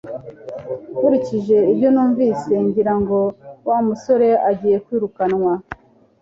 Nkurikije ibyo numvise, ngira ngo Wa musore agiye kwirukanwa